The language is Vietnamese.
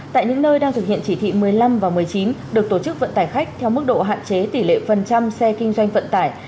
tại những nơi đang thực hiện chỉ thị một mươi năm và một mươi chín được tổ chức vận tải khách theo mức độ hạn chế tỷ lệ phần trăm xe kinh doanh vận tải